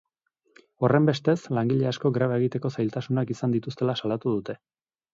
Horrenbestez, langile askok greba egiteko zailtasunak izan dituztela salatu dute.